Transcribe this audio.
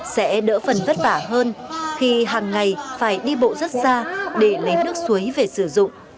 sẽ đỡ phần vất vả hơn khi hàng ngày phải đi bộ rất xa để lấy nước suối về sử dụng